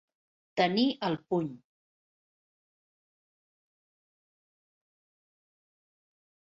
Tenir al puny.